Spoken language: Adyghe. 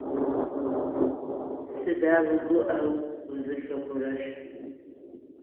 Сыда угуӀэу узылъыхъурэр?